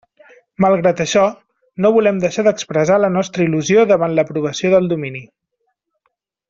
Malgrat això, no volem deixar d'expressar la nostra il·lusió davant l'aprovació del domini.